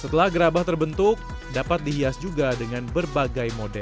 setelah gerabah terbentuk dapat dihias juga dengan berbagai model